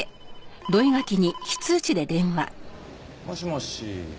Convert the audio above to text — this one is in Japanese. もしもし？